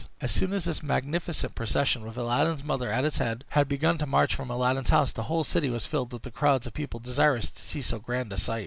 As soon as this magnificent procession, with Aladdin's mother at its head, had begun to march from Aladdin's house, the whole city was filled with the crowds of people desirous to see so grand a sight.